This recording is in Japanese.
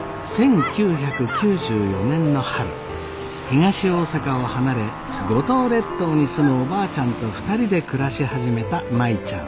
東大阪を離れ五島列島に住むおばあちゃんと２人で暮らし始めた舞ちゃん。